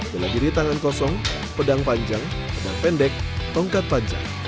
bela diri tangan kosong pedang panjang pedang pendek tongkat panjang